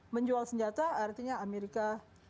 menjual senjata artinya amerika